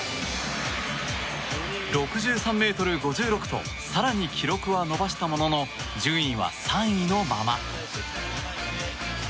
６３ｍ５６と更に記録は伸ばしたものの順位は３位のまま。